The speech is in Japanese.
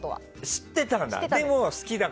知ってたんだ。